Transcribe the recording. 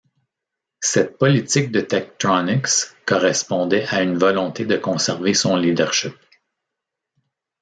Cette politique de Tektronix correspondait à une volonté de conserver son leadership.